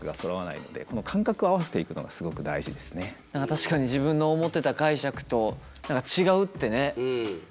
確かに自分の思ってた解釈と何か違うってねあるからね。